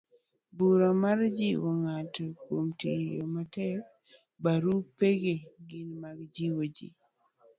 barua mar jiwo ng'ato kuom tiyo matek. barupegi gin mag jiwo ji